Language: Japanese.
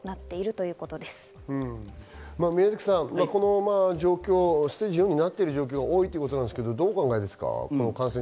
６指標の中で５つが４とこの状況、ステージ４になっている状況、多いということですが、どうお考えですか？